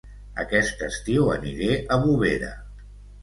Aquest estiu aniré a Bovera